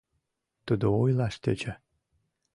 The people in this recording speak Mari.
Тудо ойлаш тӧча: